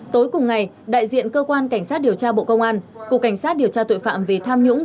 tối cùng ngày đại diện cơ quan cảnh sát điều tra bộ công an cục cảnh sát điều tra tội phạm về tham nhũng